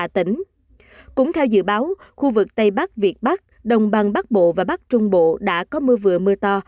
cũng theo dự báo khu vực tây bắc việt bắc đồng bằng bắc bộ và bắc trung bộ đã có mưa vừa mưa to